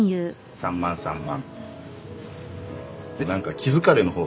３万３万。